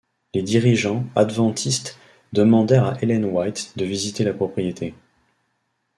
Les dirigeants adventistes demandèrent à Ellen White de visiter la propriété.